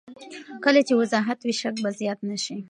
کله چې وضاحت وي، شک به زیات نه شي.